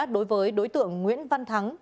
đối với đối tượng nguyễn văn thắng